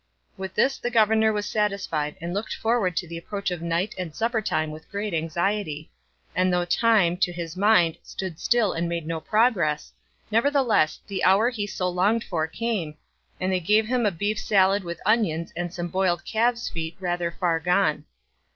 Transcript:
With this the governor was satisfied and looked forward to the approach of night and supper time with great anxiety; and though time, to his mind, stood still and made no progress, nevertheless the hour he so longed for came, and they gave him a beef salad with onions and some boiled calves' feet rather far gone.